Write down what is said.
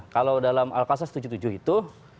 kalau dalam al qasas tujuh tujuh itu